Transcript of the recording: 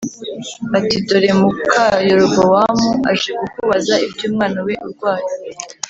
ati “Dore muka Yerobowamu aje kukubaza iby’umwana we urwaye”